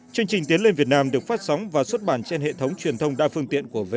chương trình tiến lên việt nam được phát sóng và xuất bản trên hệ thống truyền thông đa phương tiện của vtv